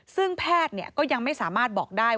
ซึ่งแพทย์ก็ยังไม่สามารถบอกได้